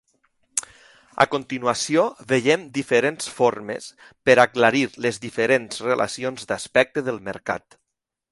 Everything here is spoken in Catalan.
A continuació veiem diferents formes, per aclarir les diferents relacions d'aspecte del mercat.